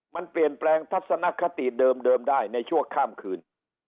มันเปลี่ยนแปลงทัศนคติเดิมได้ในชั่วข้ามคืน